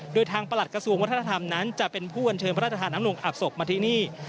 โดยทางประหลัดกระทรวงวัฒนธรรมนั้นจะเป็นผู้อัญเชิญพระราชทานน้ำลงอาบศพมาที่นี่